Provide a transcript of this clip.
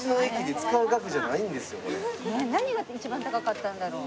何が一番高かったんだろう？